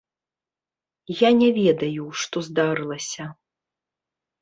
Я не ведаю, што здарылася.